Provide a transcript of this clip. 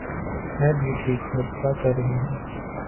میں بھی ٹھیک۔ اور کیا کر رہے ہیں؟